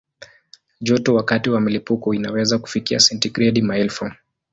Joto wakati wa mlipuko inaweza kufikia sentigredi maelfu.